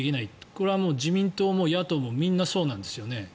これは自民党も野党もみんなそうなんですよね。